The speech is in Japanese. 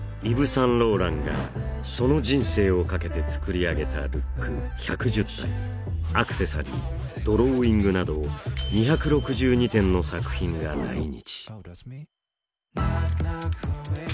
・サンローランがその人生をかけて作り上げたルック１１０体アクセサリードローイングなど２６２点の作品が来日